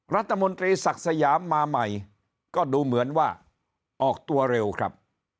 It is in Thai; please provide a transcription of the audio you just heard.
รัฐมนตรีศักดิ์สยามมาใหม่ก็ดูเหมือนว่าออกตัวเร็วครับ